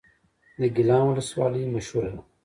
د ګیلان ولسوالۍ مشهوره ده